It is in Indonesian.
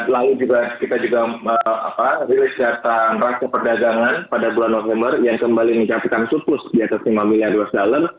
lalu kita juga rilis data rako perdagangan pada bulan november yang kembali mencapai surplus di atas lima miliar usd